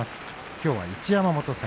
きょうは一山本戦。